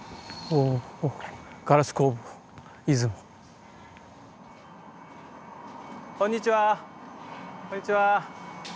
あっこんにちは。